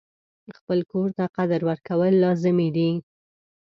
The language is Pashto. خپل کور ته قدر ورکول لازمي دي.